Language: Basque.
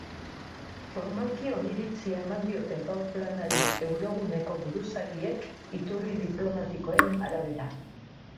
Formalki oniritzia eman diote gaur planari euroguneko buruzagiek, iturri diplomatikoen arabera.